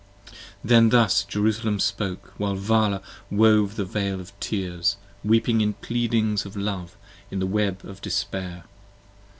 Then thus Jerusalem spoke, while Vala wove the veil of tears: Weeping in pleadings of Love, in the web of despair.